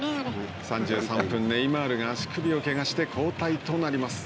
３３分、ネイマールが足首をけがして交代となります。